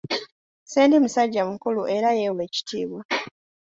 Ssendi musajja mukulu era yeewa ekitiibwa.